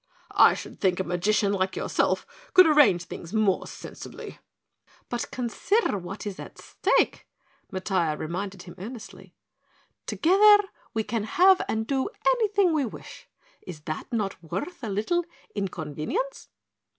"I should think a magician like yourself could arrange things more sensibly." "But consider what is at stake," Matiah reminded him earnestly. "Together we can have and do anything we wish. Is that not worth a little inconvenience?"